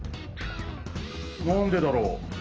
なんでだろう？